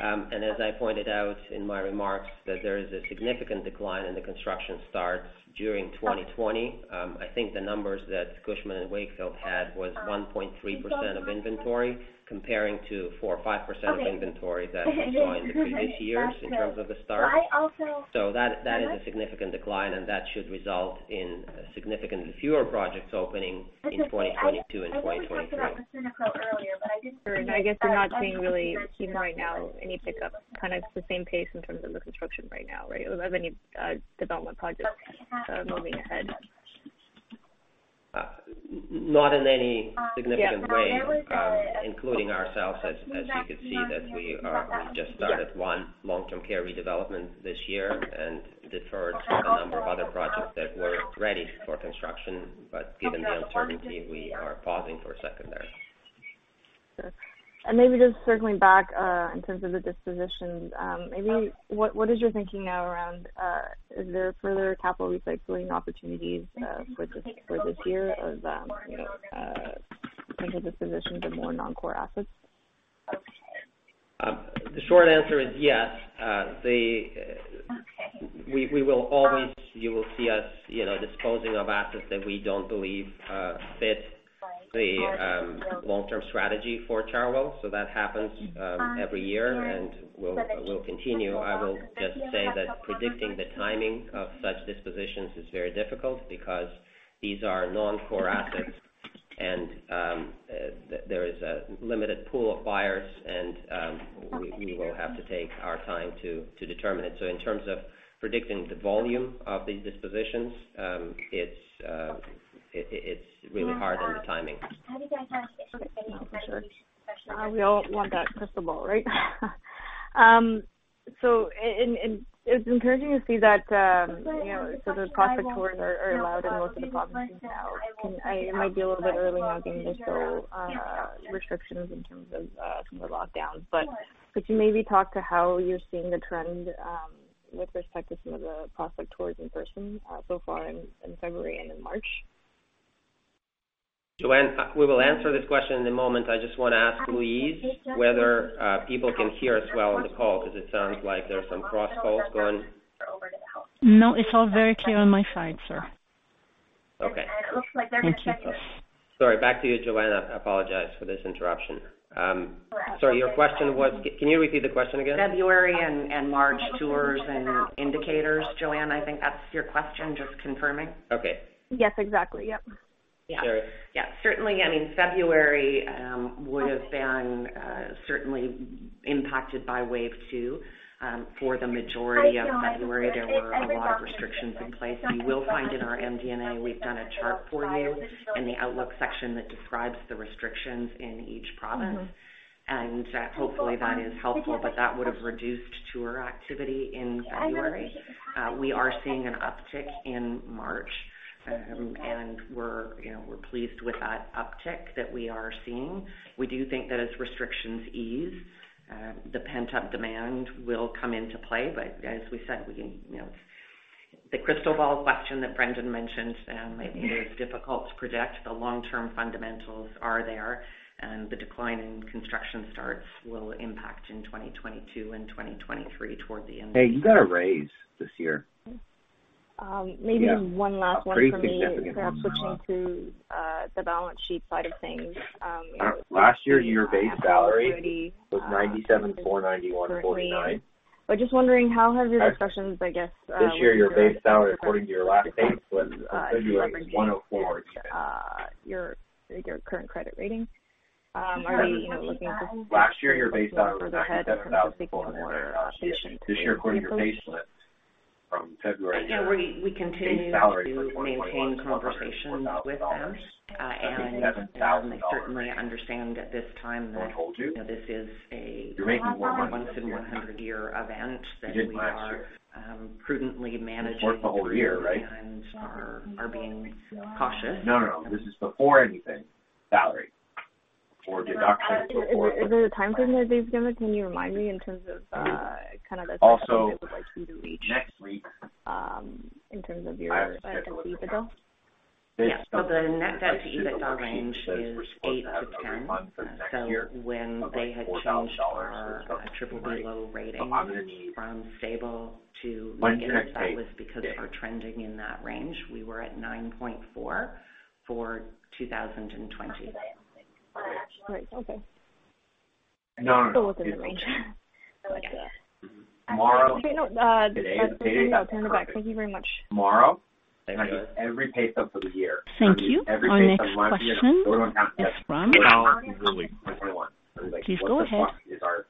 [SPEAKER 2] As I pointed out in my remarks, that there is a significant decline in the construction starts during 2020. I think the numbers that Cushman & Wakefield had was 1.3% of inventory, comparing to 4% or 5% of inventory that joined in previous years in terms of the start. That is a significant decline, that should result in significantly fewer projects opening in 2022 and 2023.
[SPEAKER 7] I guess they're not seeing really right now any pickup, kind of the same pace in terms of the construction right now, right, of any development projects moving ahead?
[SPEAKER 2] Not in any significant way, including ourselves, as you could see that we just started one long-term care redevelopment this year and deferred a number of other projects that were ready for construction. Given the uncertainty, we are pausing for a second there.
[SPEAKER 7] Sure. Maybe just circling back, in terms of the dispositions, what is your thinking now around, is there further capital recycling opportunities for this year of potential dispositions of more non-core assets?
[SPEAKER 2] The short answer is yes. You will see us disposing of assets that we don't believe fit the long-term strategy for Chartwell. That happens every year and will continue. I will just say that predicting the timing of such dispositions is very difficult because these are non-core assets, and there is a limited pool of buyers, and we will have to take our time to determine it. In terms of predicting the volume of these dispositions, it's really hard on the timing.
[SPEAKER 7] We all want that crystal ball, right? It's encouraging to see that the prospect tours are allowed in most of the provinces now. It might be a little bit early, knowing there's still restrictions in terms of some of the lockdowns. Could you maybe talk to how you're seeing the trend with respect to some of the prospect tours in person so far in February and in March?
[SPEAKER 2] Joanne, we will answer this question in a moment. I just want to ask Louise whether people can hear us well on the call because it sounds like there's some cross talks going.
[SPEAKER 1] No, it's all very clear on my side, sir.
[SPEAKER 2] Okay. Sorry, back to you, Joanne. I apologize for this interruption. Sorry, can you repeat the question again?
[SPEAKER 4] February and March tours and indicators, Joanne, I think that's your question. Just confirming.
[SPEAKER 2] Okay.
[SPEAKER 7] Yes, exactly. Yep.
[SPEAKER 4] Yeah. Certainly, February would've been certainly impacted by wave two. For the majority of February, there were a lot of restrictions in place. You will find in our MD&A, we've done a chart for you in the outlook section that describes the restrictions in each province. Hopefully, that is helpful. That would've reduced tour activity in February. We are seeing an uptick in March, and we're pleased with that uptick that we are seeing. We do think that as restrictions ease, the pent-up demand will come into play. As we said, the crystal ball question that Brendon mentioned, it is difficult to project. The long-term fundamentals are there, and the decline in construction starts will impact in 2022 and 2023 toward the end.
[SPEAKER 8] Hey, you got a raise this year.
[SPEAKER 7] Maybe just one last one for me.
[SPEAKER 8] Yeah. Pretty significant one.
[SPEAKER 7] Kind of switching to the balance sheet side of things.
[SPEAKER 8] Last year, your base salary was 97,491.49.
[SPEAKER 7] Just wondering, how have your discussions?
[SPEAKER 8] This year, your base salary according to your last pay stub was CAD 104 even.
[SPEAKER 7] Your current credit rating? Are they looking at this a little bit more further ahead in terms of taking another action, do you suppose?
[SPEAKER 8] Last year, your base salary was CAD 97,491. This year, according to your pay stub from February, base salary for 2021 is CAD 124,000. That's a CAD 27,000-
[SPEAKER 4] No, we continue to maintain conversations with them. They certainly understand at this time that this is a once in 100-year event, that we are prudently managing and are being cautious.
[SPEAKER 8] No, this is before anything. Salary. Before deductions.
[SPEAKER 7] Is there a timeframe that they've given? Can you remind me in terms of the kind of the target they would like you to reach?
[SPEAKER 8] Also, next week.
[SPEAKER 7] In terms of your EBITDA?
[SPEAKER 4] The net debt-to-EBITDA range is 8 to 10. When they had changed our BBB low rating from stable to negative, that was because of our trending in that range. We were at 9.4 for 2020.
[SPEAKER 7] Right. Okay. Still within the range. Okay. Okay, no. That's everything. I'll turn it back. Thank you very much.
[SPEAKER 8] Tomorrow, I get every pay stub for the year.
[SPEAKER 1] Thank you. Our next question is from.
[SPEAKER 8] Every pay stub monthly, I'm sure everyone has this now.
[SPEAKER 1] Please go ahead.
[SPEAKER 8] 2021. Everybody's like, "What is our."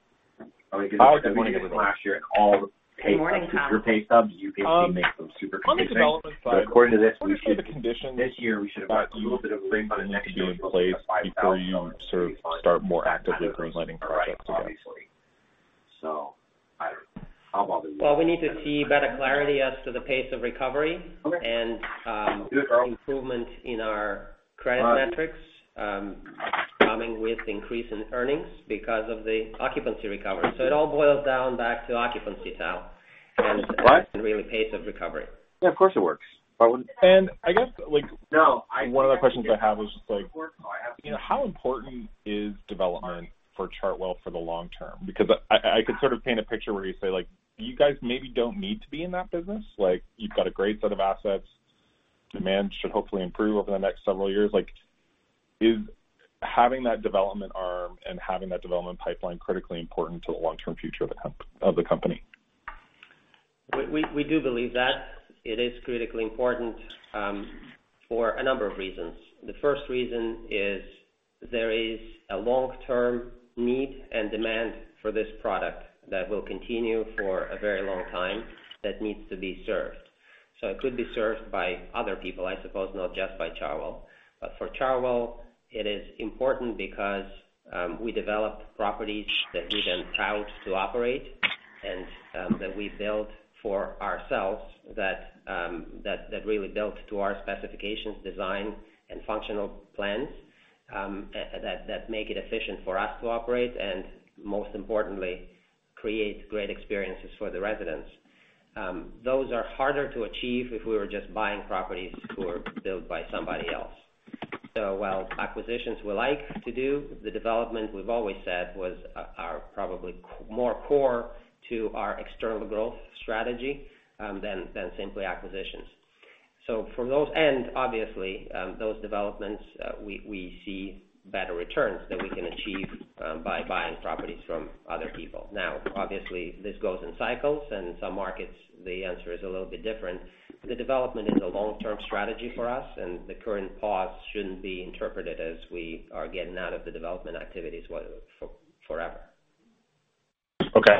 [SPEAKER 8] I'm going to give you everything I get from last year and all the pay stubs, because your pay stubs, you basically make some super crazy things. According to this year we should have about CAD 25,000 in refund back to you. All right. Obviously. I don't know. I'll bother you again.
[SPEAKER 2] Well, we need to see better clarity as to the pace of recovery and improvement in our credit metrics coming with increase in earnings because of the occupancy recovery. It all boils down back to occupancy, Tal, and really pace of recovery.
[SPEAKER 8] Yeah, of course it works. Why wouldn't it?
[SPEAKER 9] I guess, one other questions I have is just how important is development for Chartwell for the long term? I could sort of paint a picture where you say, you guys maybe don't need to be in that business. You've got a great set of assets. Demand should hopefully improve over the next several years. Is having that development arm and having that development pipeline critically important to the long-term future of the company?
[SPEAKER 2] We do believe that it is critically important for a number of reasons. The first reason is there is a long-term need and demand for this product that will continue for a very long time that needs to be served. It could be served by other people, I suppose, not just by Chartwell. For Chartwell, it is important because we develop properties that we then tout to operate and that we build for ourselves that really built to our specifications, design, and functional plans, that make it efficient for us to operate and most importantly, create great experiences for the residents. Those are harder to achieve if we were just buying properties that were built by somebody else. While acquisitions we like to do, the development we've always said are probably more core to our external growth strategy, than simply acquisitions. For those, and obviously, those developments, we see better returns than we can achieve by buying properties from other people. Obviously, this goes in cycles, and in some markets, the answer is a little bit different. The development is a long-term strategy for us, and the current pause shouldn't be interpreted as we are getting out of the development activities forever.
[SPEAKER 9] Okay.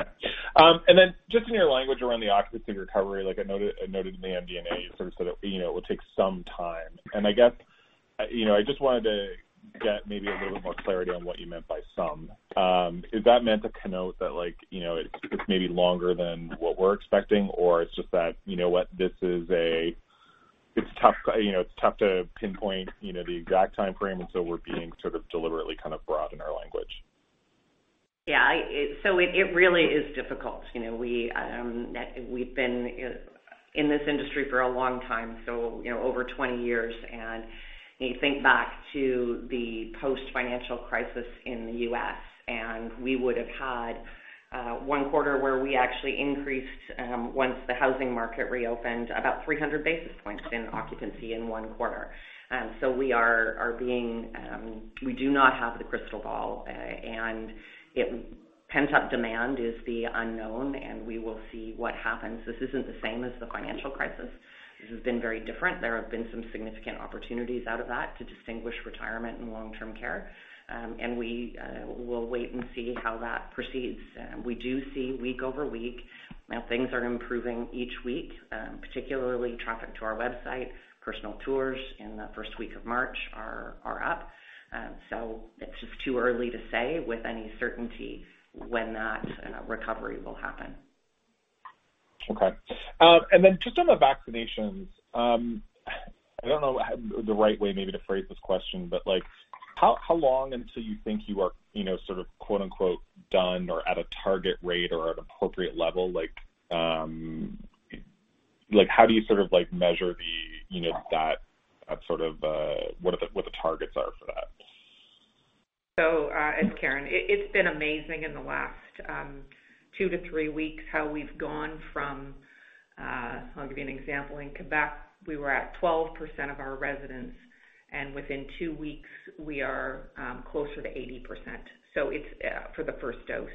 [SPEAKER 9] Just in your language around the occupancy recovery, like I noted in the MD&A, you sort of said it will take some time. I guess I just wanted to get maybe a little bit more clarity on what you meant by some. Is that meant to connote that it's maybe longer than what we're expecting, or it's just that, you know what, it's tough to pinpoint the exact timeframe, and so we're being sort of deliberately kind of broad in our language?
[SPEAKER 4] It really is difficult. We've been in this industry for a long time, over 20 years. You think back to the post-financial crisis in the U.S., we would've had one quarter where we actually increased, once the housing market reopened, about 300 basis points in occupancy in one quarter. We do not have the crystal ball, pent-up demand is the unknown, we will see what happens. This isn't the same as the financial crisis. This has been very different. There have been some significant opportunities out of that to distinguish retirement and long-term care. We will wait and see how that proceeds. We do see week-over-week, things are improving each week, particularly traffic to our website. Personal tours in the first week of March are up. It's just too early to say with any certainty when that recovery will happen.
[SPEAKER 9] Okay. Just on the vaccinations, I don't know the right way, maybe to phrase this question, how long until you think you are sort of quote unquote "done" or at a target rate or at appropriate level? How do you sort of measure what the targets are for that?
[SPEAKER 3] It's Karen. It's been amazing in the last two to three weeks how we've gone. I'll give you an example. In Quebec, we were at 12% of our residents, and within two weeks, we are closer to 80%. It's for the first dose.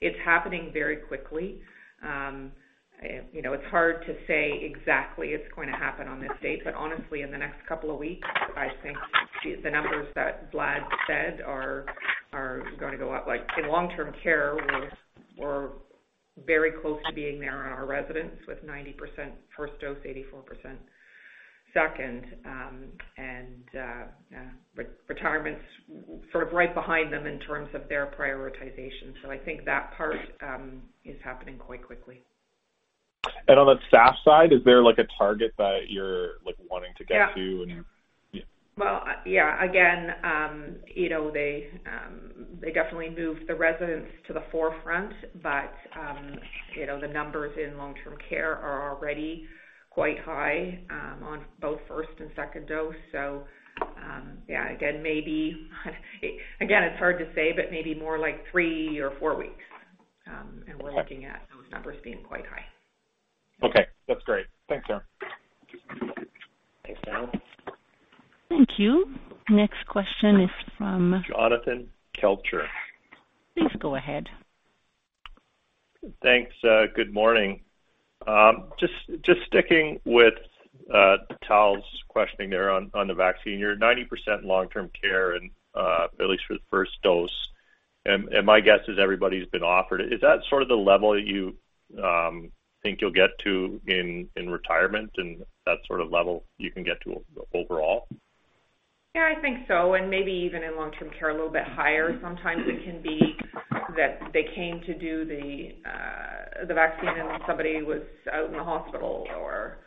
[SPEAKER 3] It's happening very quickly. It's hard to say exactly it's going to happen on this date, but honestly, in the next couple of weeks, I think the numbers that Vlad said are going to go up. Like in long-term care, we're very close to being there on our residents with 90% first dose, 84% second. Retirement's sort of right behind them in terms of their prioritization. I think that part is happening quite quickly.
[SPEAKER 9] On the staff side, is there a target that you're wanting to get to?
[SPEAKER 3] Yeah. Well, yeah. They definitely moved the residents to the forefront. The numbers in long-term care are already quite high on both first and second dose. Yeah. It's hard to say, but maybe more like three or four weeks, and we're looking at those numbers being quite high.
[SPEAKER 9] Okay. That's great. Thanks, Karen.
[SPEAKER 2] Thanks, Karen.
[SPEAKER 1] Thank you. Next question is from-
[SPEAKER 10] Jonathan Kelcher.
[SPEAKER 1] Please go ahead.
[SPEAKER 10] Thanks. Good morning. Just sticking with Tal's questioning there on the vaccine. You're at 90% long-term care, at least for the first dose. My guess is everybody's been offered it. Is that sort of the level that you think you'll get to in retirement and that sort of level you can get to overall?
[SPEAKER 3] Yeah, I think so. Maybe even in long-term care a little bit higher. Sometimes it can be that they came to do the vaccine and somebody was out in the hospital, or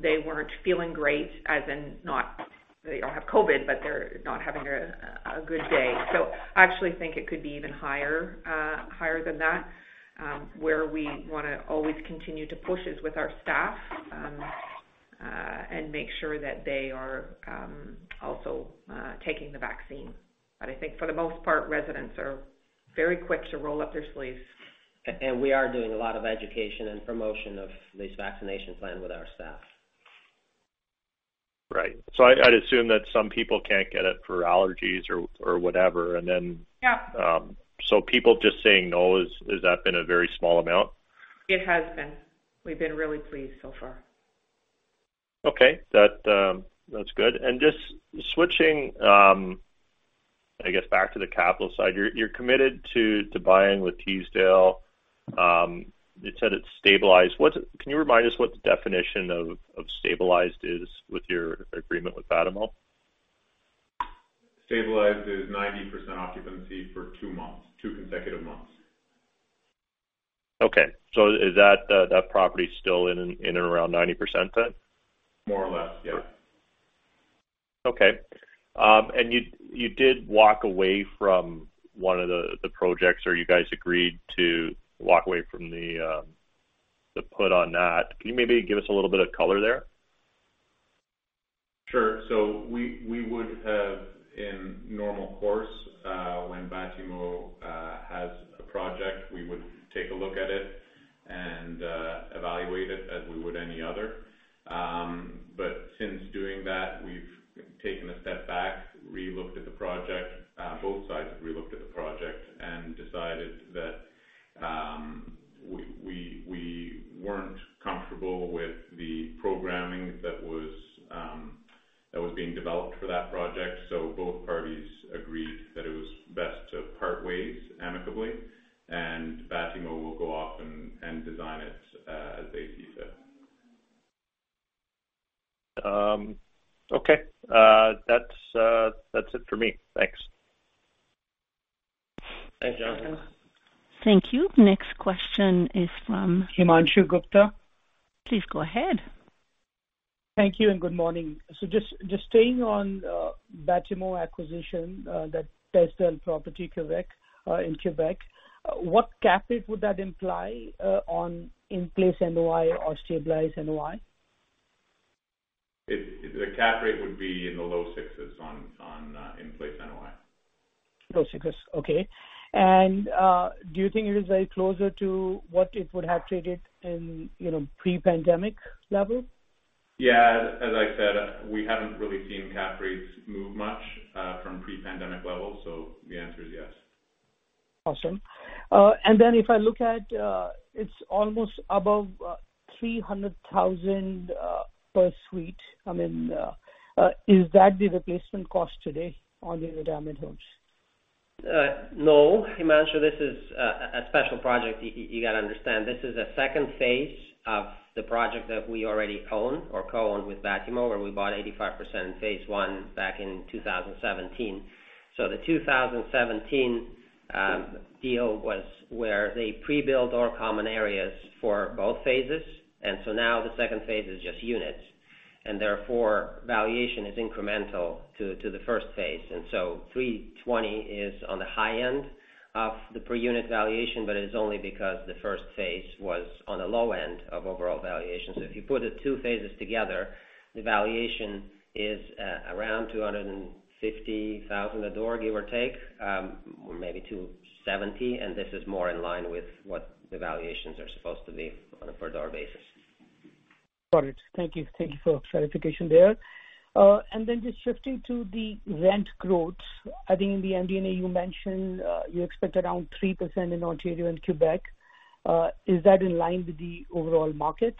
[SPEAKER 3] they weren't feeling great, as in not they don't have COVID, but they're not having a good day. I actually think it could be even higher than that. Where we want to always continue to push is with our staff and make sure that they are also taking the vaccine. I think for the most part, residents are very quick to roll up their sleeves.
[SPEAKER 2] We are doing a lot of education and promotion of this vaccination plan with our staff.
[SPEAKER 10] Right. I'd assume that some people can't get it for allergies or whatever.
[SPEAKER 3] Yeah
[SPEAKER 10] People just saying no, has that been a very small amount?
[SPEAKER 3] It has been. We've been really pleased so far.
[SPEAKER 10] Okay. That's good. Just switching, I guess, back to the capital side. You're committed to buying with Teasdale. You said it's stabilized. Can you remind us what the definition of stabilized is with your agreement with Batimo?
[SPEAKER 2] Stabilized is 90% occupancy for two months, two consecutive months.
[SPEAKER 10] Okay. Is that property still in and around 90% then?
[SPEAKER 2] More or less, yeah.
[SPEAKER 10] Okay. You did walk away from one of the projects, or you guys agreed to walk away from the put on that. Can you maybe give us a little bit of color there?
[SPEAKER 6] Sure. We would have in normal course, when Batimo has a project, we would take a look at it and evaluate it as we would any other. Since doing that, we've taken a step back, re-looked at the project. Both sides have re-looked at the project and decided that we weren't comfortable with the programming that was being developed for that project. Both parties agreed that it was best to part ways amicably, and Batimo will go off and design it as they see fit.
[SPEAKER 10] Okay. That's it for me. Thanks.
[SPEAKER 2] Thanks, Jonathan.
[SPEAKER 1] Thank you. Next question is from-
[SPEAKER 11] Himanshu Gupta.
[SPEAKER 1] Please go ahead.
[SPEAKER 11] Thank you and good morning. Just staying on Batimo acquisition, that Teasdale property in Quebec. What cap rate would that imply on in place NOI or stabilized NOI?
[SPEAKER 2] The cap rate would be in the low sixes on in-place NOI.
[SPEAKER 11] Low sixes. Okay. Do you think it is very closer to what it would have traded in pre-pandemic level?
[SPEAKER 2] Yeah. As I said, we haven't really seen cap rates move much from pre-pandemic levels. The answer is yes.
[SPEAKER 11] Awesome. If I look at, it's almost above 300,000 per suite. Is that the replacement cost today on the retirement homes?
[SPEAKER 2] No, Himanshu. This is a special project. You got to understand, this is a second phase of the project that we already own or co-own with Batimo, where we bought 85% in phase 1 back in 2017. The 2017 deal was where they pre-built all common areas for both phases. Now the second phase is just units. Therefore, valuation is incremental to the first phase. 320 is on the high end of the per-unit valuation, but it is only because the first phase was on the low end of overall valuation. If you put the two phases together, the valuation is around 250,000 a door, give or take, or maybe 270,000. This is more in line with what the valuations are supposed to be on a per-door basis.
[SPEAKER 11] Got it. Thank you. Thank you for clarification there. Just shifting to the rent growth. I think in the MD&A you mentioned, you expect around 3% in Ontario and Quebec. Is that in line with the overall market?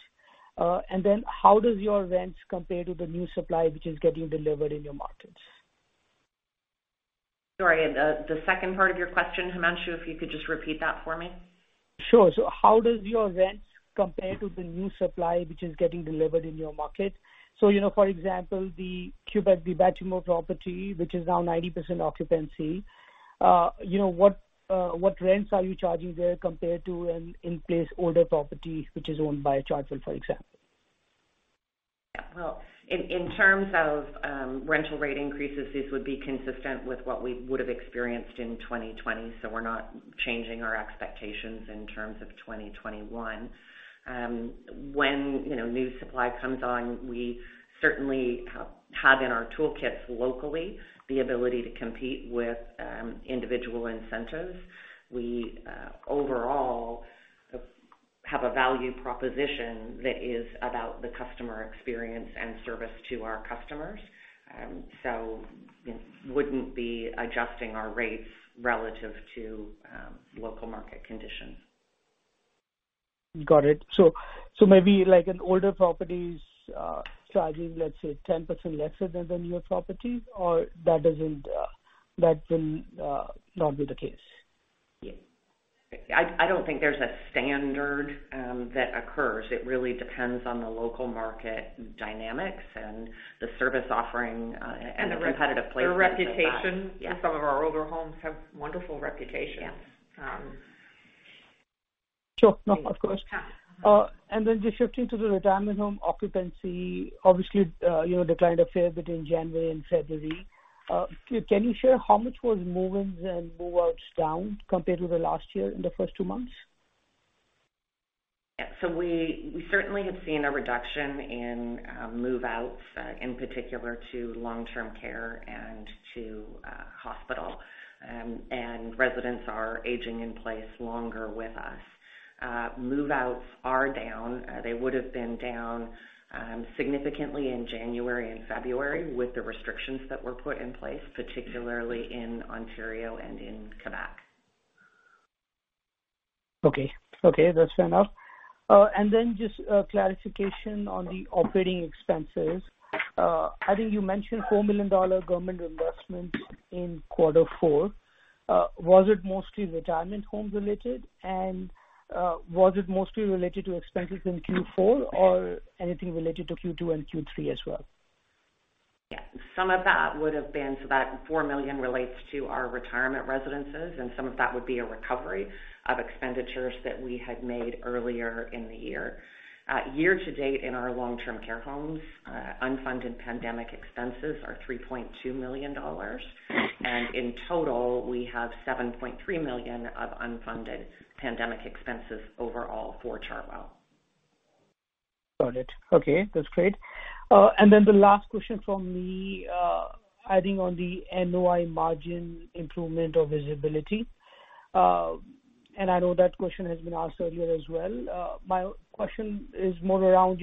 [SPEAKER 11] How does your rents compare to the new supply which is getting delivered in your markets?
[SPEAKER 4] Sorry, the second part of your question, Himanshu, if you could just repeat that for me.
[SPEAKER 11] Sure. How do your rents compare to the new supply which is getting delivered in your market? For example, the Quebec, the Batimo property, which is now 90% occupancy, what rents are you charging there compared to an in-place older property which is owned by Chartwell, for example?
[SPEAKER 4] Well, in terms of rental rate increases, this would be consistent with what we would have experienced in 2020. We're not changing our expectations in terms of 2021. When new supply comes on, we certainly have in our toolkits locally the ability to compete with individual incentives. We overall have a value proposition that is about the customer experience and service to our customers. Wouldn't be adjusting our rates relative to local market conditions.
[SPEAKER 11] Got it. Maybe like an older property's charging, let's say, 10% lesser than the newer property or that will not be the case?
[SPEAKER 4] Yeah. I don't think there's a standard that occurs. It really depends on the local market dynamics and the service offering and the competitive placement of that.
[SPEAKER 2] Their reputation.
[SPEAKER 4] Yeah. Some of our older homes have wonderful reputations. Yeah.
[SPEAKER 11] Sure. No, of course. Just shifting to the retirement home occupancy, obviously, declined a fair bit in January and February. Can you share how much was move-ins and move-outs down compared to the last year in the first two months?
[SPEAKER 4] We certainly have seen a reduction in move-outs, in particular to long-term care and to hospital. Residents are aging in place longer with us. Move-outs are down. They would've been down significantly in January and February with the restrictions that were put in place, particularly in Ontario and in Quebec.
[SPEAKER 11] Okay. That's fair enough. Then, just clarification on the operating expenses. I think you mentioned 4 million dollar government reimbursement in quarter four. Was it mostly retirement homes related? Was it mostly related to expenses in Q4 or anything related to Q2 and Q3 as well?
[SPEAKER 4] Yeah. That 4 million relates to our retirement residences, and some of that would be a recovery of expenditures that we had made earlier in the year. Year to date in our long-term care homes, unfunded pandemic expenses are 3.2 million dollars. In total, we have 7.3 million of unfunded pandemic expenses overall for Chartwell.
[SPEAKER 11] Got it. Okay. That's great. Then the last question from me, I think on the NOI margin improvement or visibility. I know that question has been asked earlier as well. My question is more around,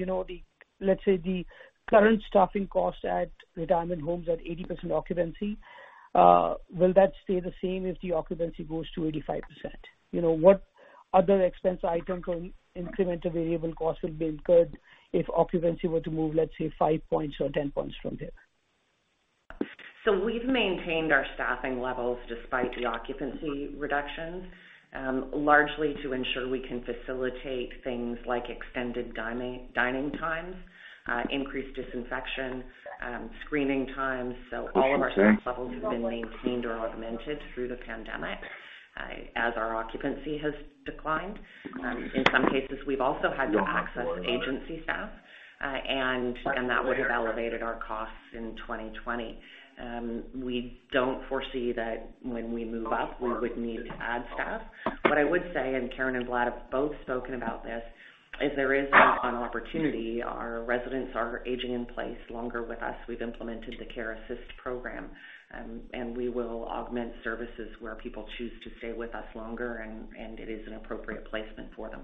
[SPEAKER 11] let's say, the current staffing cost at retirement homes at 80% occupancy. Will that stay the same if the occupancy goes to 85%? What other expense item, incremental variable cost will be incurred if occupancy were to move, let's say, 5 points or 10 points from there?
[SPEAKER 4] We've maintained our staffing levels despite the occupancy reductions, largely to ensure we can facilitate things like extended dining times, increased disinfection, screening times. All of our staff levels have been maintained or augmented through the pandemic as our occupancy has declined. In some cases, we've also had to access agency staff, and that would have elevated our costs in 2020. We don't foresee that when we move up, we would need to add staff. What I would say, and Karen and Vlad have both spoken about this, is there is an opportunity. Our residents are aging in place longer with us. We've implemented the Care Assist Program. We will augment services where people choose to stay with us longer, and it is an appropriate placement for them.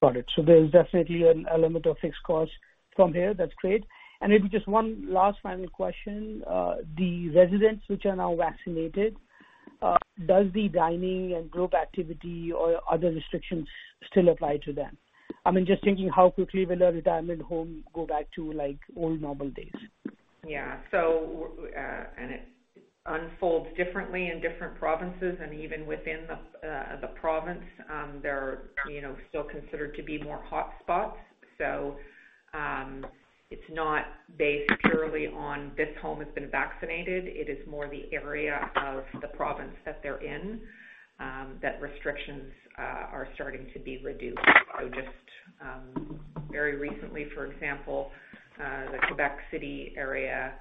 [SPEAKER 11] Got it. There's definitely an element of fixed cost from here. That's great. Maybe just one last final question. The residents which are now vaccinated, does the dining and group activity or other restrictions still apply to them? Just thinking, how quickly will a retirement home go back to old normal days?
[SPEAKER 3] Yeah. It unfolds differently in different provinces, and even within the province, there are still considered to be more hotspots. It's not based purely on this home has been vaccinated. It is more the area of the province that they're in that restrictions are starting to be reduced. Just very recently, for example, the Quebec City area,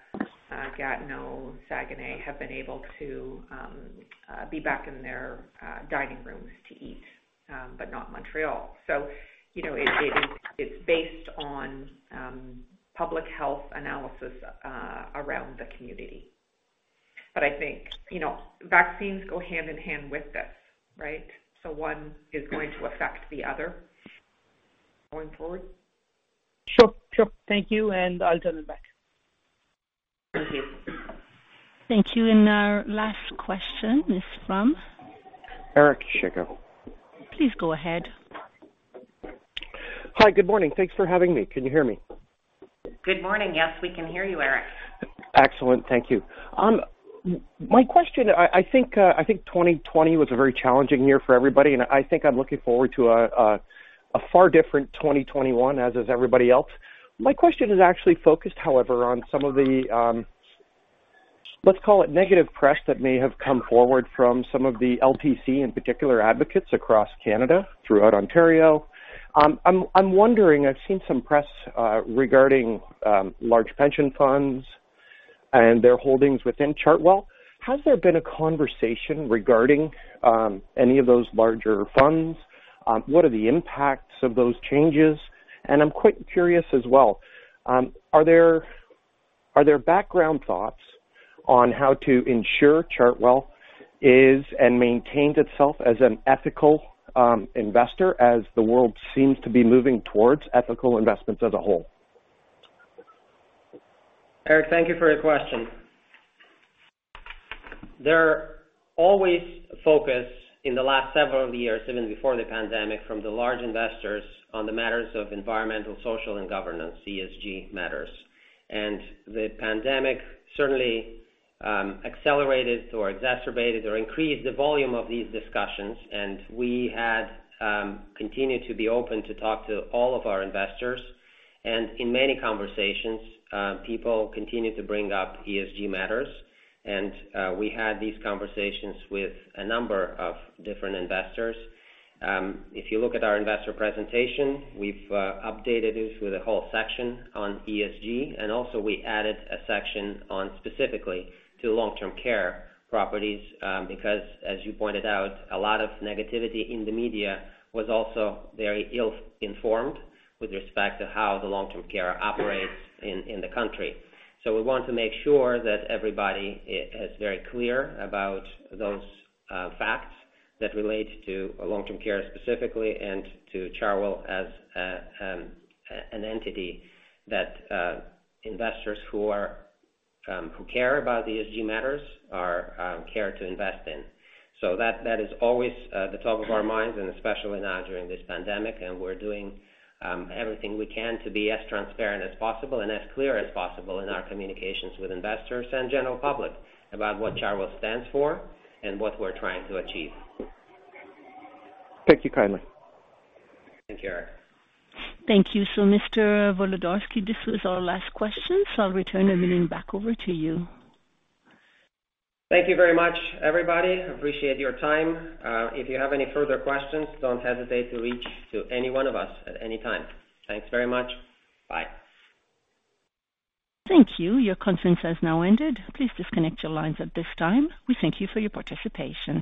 [SPEAKER 3] Gatineau, Saguenay, have been able to be back in their dining rooms to eat, but not Montreal. It's based on public health analysis around the community. I think vaccines go hand in hand with this. Right? One is going to affect the other going forward.
[SPEAKER 11] Sure. Thank you, and I'll turn it back.
[SPEAKER 3] Thank you.
[SPEAKER 1] Thank you. Our last question is from-
[SPEAKER 12] Eric. *audio distortion*
[SPEAKER 1] Please go ahead.
[SPEAKER 12] Hi, good morning. Thanks for having me. Can you hear me?
[SPEAKER 3] Good morning. Yes, we can hear you, Eric.
[SPEAKER 12] Excellent. Thank you. My question, I think 2020 was a very challenging year for everybody, and I think I'm looking forward to a far different 2021, as is everybody else. My question is actually focused, however, on some of the, let's call it negative press that may have come forward from some of the LTC, in particular, advocates across Canada, throughout Ontario. I'm wondering, I've seen some press regarding large pension funds and their holdings within Chartwell. Has there been a conversation regarding any of those larger funds? What are the impacts of those changes? I'm quite curious as well, are there background thoughts on how to ensure Chartwell is and maintains itself as an ethical investor, as the world seems to be moving towards ethical investments as a whole?
[SPEAKER 2] Eric, thank you for your question. There are always focus in the last several years, even before the pandemic, from the large investors on the matters of environmental, social, and governance, ESG matters. The pandemic certainly accelerated or exacerbated or increased the volume of these discussions, and we had continued to be open to talk to all of our investors. In many conversations, people continued to bring up ESG matters, and we had these conversations with a number of different investors. If you look at our investor presentation, we've updated it with a whole section on ESG, and also we added a section on specifically to long-term care properties, because, as you pointed out, a lot of negativity in the media was also very ill-informed with respect to how the long-term care operates in the country. We want to make sure that everybody is very clear about those facts that relate to long-term care specifically and to Chartwell as an entity that investors who care about ESG matters care to invest in. That is always at the top of our minds, and especially now during this pandemic. We're doing everything we can to be as transparent as possible and as clear as possible in our communications with investors and general public about what Chartwell stands for and what we're trying to achieve.
[SPEAKER 12] Thank you kindly.
[SPEAKER 2] Thank you, Eric.
[SPEAKER 1] Thank you. Mr. Volodarski, this was our last question, so I'll return the meeting back over to you.
[SPEAKER 2] Thank you very much, everybody. Appreciate your time. If you have any further questions, don't hesitate to reach to any one of us at any time. Thanks very much. Bye.
[SPEAKER 1] Thank you. Your conference has now ended. Please disconnect your lines at this time. We thank you for your participation.